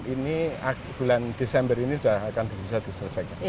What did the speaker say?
ini bulan desember ini sudah akan bisa diselesaikan